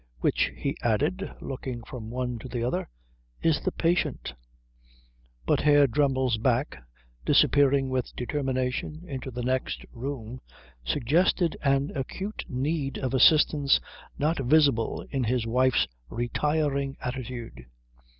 "Which," he added, looking from one to the other, "is the patient?" But Herr Dremmel's back, disappearing with determination into the next room, suggested an acute need of assistance not visible in his wife's retiring attitude.